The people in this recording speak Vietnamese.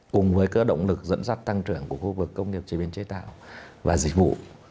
cùng với cơ động lực dẫn dắt tăng trưởng của khu vực công nghiệp chế biến chế tạo và dịch vụ